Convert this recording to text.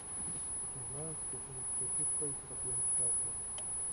"Wyciągnąłem z kieszeni krzesiwko i zrobiłem światło."